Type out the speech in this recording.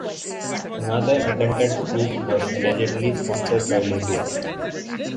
Another attempted coup was allegedly sponsored by Libya.